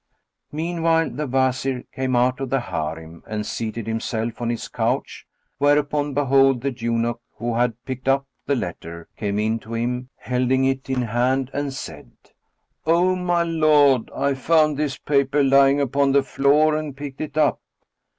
Meanwhile, the Wazir came out of the Harim and seated himself on his couch; whereupon behold, the eunuch, who had picked up the letter, came in to him, hending it in hand and said, "O my lord, I found this paper lying upon the floor and picked it up."